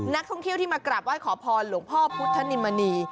นักท่องเที่ยวที่มากราบไหว้ขอพรหลวงพ่อพุทธนิมณี